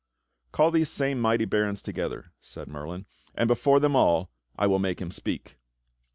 "Call these same mighty barons together," said Merlin, "and before them all I will make him speak."